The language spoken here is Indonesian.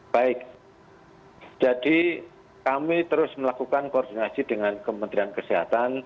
baik jadi kami terus melakukan koordinasi dengan kementerian kesehatan